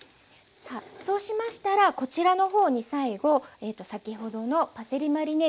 さあそうしましたらこちらの方に最後先ほどのパセリマリネ